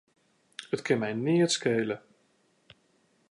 It kin my neat skele.